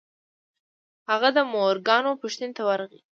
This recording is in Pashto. هغه د مورګان پوښتنې ته ورغی.